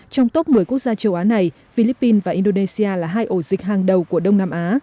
trong top một mươi quốc gia châu á này philippines và indonesia là hai ổ dịch hàng đầu của đông nam á